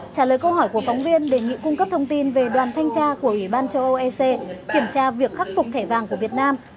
trả lời câu hỏi của phóng viên đề nghị cung cấp thông tin về đoàn thanh tra của ủy ban châu âu ec kiểm tra việc khắc phục thẻ vàng của việt nam